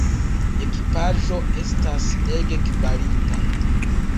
Ekipaĵo estas ege kvalita.